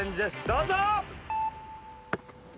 どうぞ！